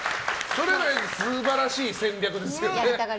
それは素晴らしい戦略ですよね。